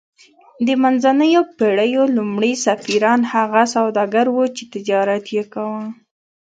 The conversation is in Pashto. د منځنیو پیړیو لومړي سفیران هغه سوداګر وو چې تجارت یې کاوه